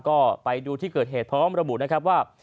ก็ไปดูที่เกิดเหตุพร้อมระบุนะครับว่า